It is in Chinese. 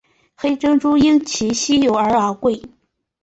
黑珍珠因其稀有而昂贵。